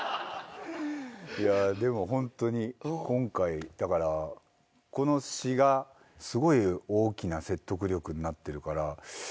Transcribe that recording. いやでもホントに今回だからこの詞がすごい大きな説得力になってるから。